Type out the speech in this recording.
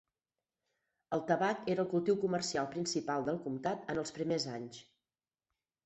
El tabac era el cultiu comercial principal del comtat en els primers anys.